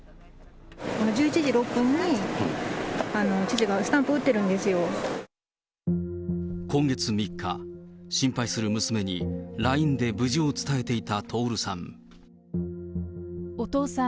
１１時６分に、今月３日、心配する娘に、ＬＩＮＥで無事を伝えていた徹さん。